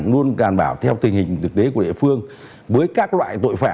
luôn đảm bảo theo tình hình thực tế của chúng ta